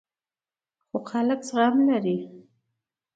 خو خلک زغم لري.